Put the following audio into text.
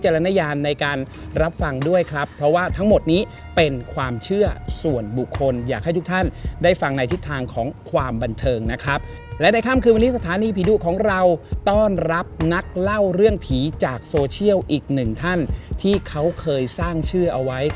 และในค่ำคือวันนี้สถานีพีดูของเราต้อนรับนักเล่าเรื่องผีจากโซเชียลอีกหนึ่งท่านที่เค้าเคยสร้างชื่อเอาไว้